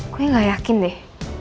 koknya ga yakin deh